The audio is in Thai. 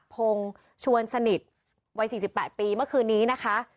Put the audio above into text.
สถาพงศ์ชวนสนิทวัยสี่สิบแปดปีเมื่อคืนนี้นะคะ